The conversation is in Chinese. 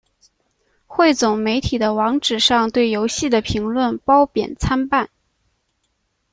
汇总媒体的网址上对游戏的评论褒贬参半。